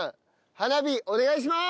花火お願いします！